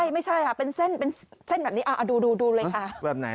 ไม่ใช่เป็นเส้นแบบนี้ดูเลย